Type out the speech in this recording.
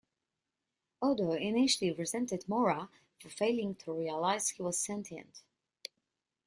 Odo initially resented Mora for failing to realize he was sentient.